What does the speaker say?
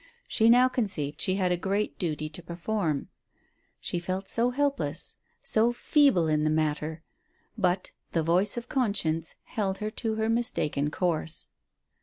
She now conceived she had a great duty to perform. She felt so helpless so feeble in the matter; but the voice of conscience held her to her mistaken course.